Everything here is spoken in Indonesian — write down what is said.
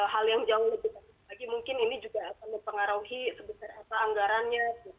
hal yang jauh lebih bagus lagi mungkin ini juga akan mempengaruhi sebesar apa anggarannya